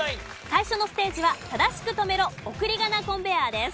最初のステージは正しく止めろ送り仮名コンベヤーです。